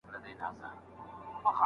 د کندهار میوه ډیره خوږه ده.